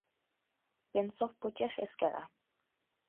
Венцов почеш эскера.